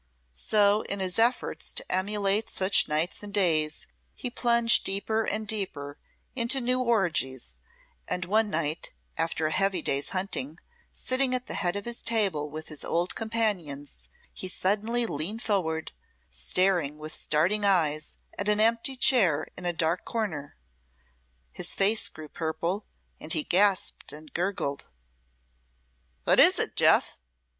So in his efforts to emulate such nights and days, he plunged deeper and deeper into new orgies; and one night, after a heavy day's hunting, sitting at the head of his table with his old companions, he suddenly leaned forward, staring with starting eyes at an empty chair in a dark corner. His face grew purple, and he gasped and gurgled. "What is't, Jeoff?"